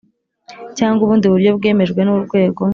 cyangwa ubundi buryo bwemejwe n Urwego